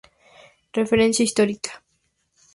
Referencia histórica.